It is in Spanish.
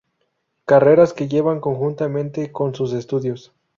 Carreras que lleva conjuntamente con sus estudios.